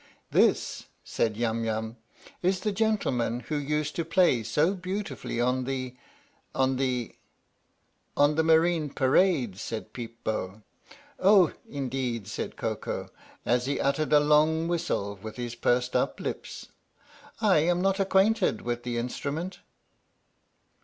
"This," said Yum Yum, "is the gentleman who used to play so beautifully on the on the " "On the Marine Parade," said Peep Bo. " Oh, indeed," said Koko, as he uttered a long whistle with his pursed uplips. "lam not acquainted with the instrument."